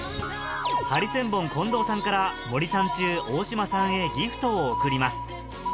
ハリセンボン・近藤さんから森三中・大島さんへギフトを贈ります